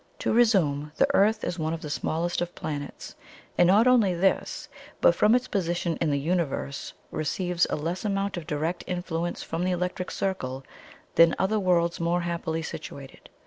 "To resume: the Earth is one of the smallest of planets; and not only this, but, from its position in the Universe, receives a less amount of direct influence from the Electric Circle than other worlds more happily situated.